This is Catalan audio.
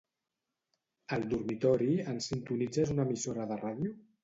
Al dormitori ens sintonitzes una emissora de ràdio?